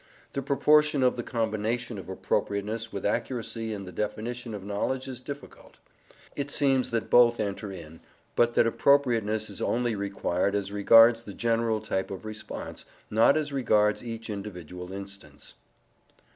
The proportion of the combination of appropriateness with accuracy in the definition of knowledge is difficult; it seems that both enter in, but that appropriateness is only required as regards the general type of response, not as regards each individual instance.